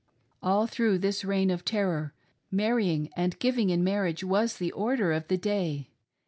" All through this Reign of Terror, marrying and giving in marriage was the order of the day.